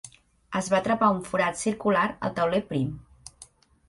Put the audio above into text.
Es va trepar un forat circular al tauler prim.